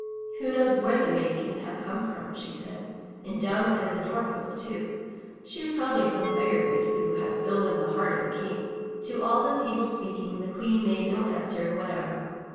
"Who knows where the maid can have come from?'* she said, and dumb as a door post, too! She is probably some beggar maid who has stolen the heart of the King!'' To all this evil speaking the Queen made no answer what ever.